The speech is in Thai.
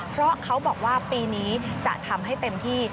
เพราะเขาบอกว่าปีนี้จะทำให้เต็มที่